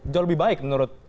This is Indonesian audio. jauh lebih baik menurut